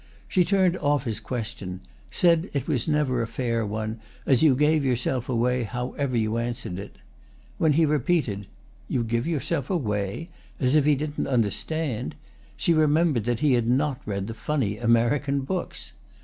She turned off his question—said it never was a fair one, as you gave yourself away however you answered it. When he repeated "You give yourself away?" as if he didn't understand, she remembered that he had not read the funny American books.